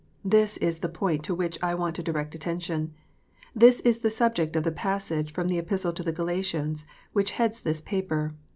This is the point to which I want to direct attention. This is the subject of the passage from the Epistle to the Galatians, which heads this paper.